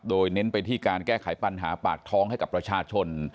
โดยเน้นไปที่การแก้ไขปัญหาปากท้องให้กับประชาชน